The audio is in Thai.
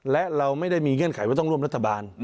และเราไม่ได้มีเงื่อนไขว่าต้องร่วมรัฐบาล